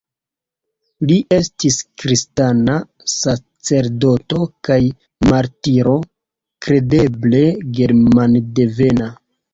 Li estis kristana sacerdoto kaj martiro, kredeble germandevena.